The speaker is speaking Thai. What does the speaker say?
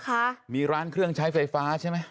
ค่ะมีร้านเครื่องใช้ไฟฟ้าใช่ไหม